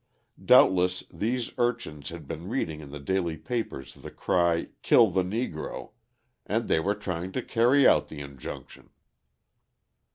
Doubtless these urchins had been reading in the daily papers the cry 'Kill the Negro!' and they were trying to carry out the injunction."